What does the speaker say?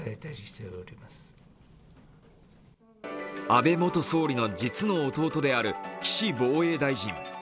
安倍元総理の実の弟である岸防衛大臣。